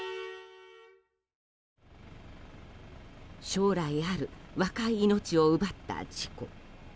将来ある若い命を奪った事故。